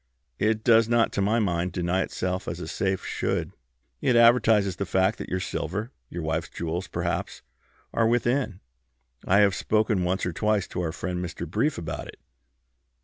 It does not, to my mind, deny itself as a safe should. It advertises the fact that your silver, your wife's jewels perhaps, are within. I have spoken once or twice to our friend Mr. Brief about it."